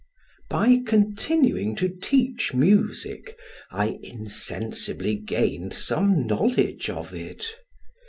By continuing to teach music, I insensibly gained some knowledge of it.